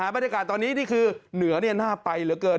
บรรยากาศตอนนี้นี่คือเหนือน่าไปเหลือเกิน